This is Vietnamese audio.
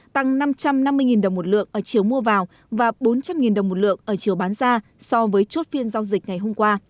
tăng năm trăm năm mươi đồng một lượng ở chiều mua vào và bốn trăm linh đồng một lượng ở chiều bán ra so với chốt phiên giao dịch ngày hôm qua